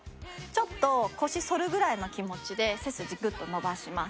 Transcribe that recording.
ちょっと腰反るぐらいの気持ちで背筋グッと伸ばします。